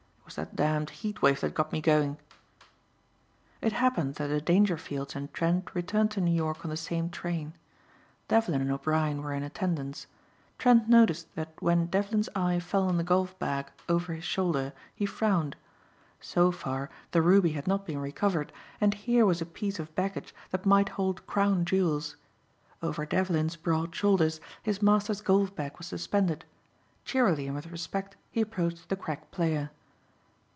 "It was that damned heat wave that got me going." It happened that the Dangerfields and Trent returned to New York on the same train. Devlin and O'Brien were in attendance. Trent noticed that when Devlin's eye fell on the golf bag over his shoulder he frowned. So far the ruby had not been recovered and here was a piece of baggage that might hold crown jewels. Over Devlin's broad shoulders his master's golf bag was suspended. Cheerily and with respect he approached the crack player.